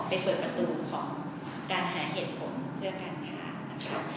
เปิดประตูของการหาเหตุผลเพื่อการค้า